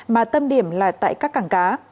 mà tâm điểm là tại các cảng cá